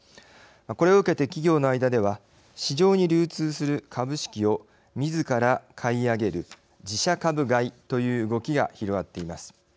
これを受けて、企業の間では市場に流通する株式をみずから買い上げる、自社株買いという動きが広がっています。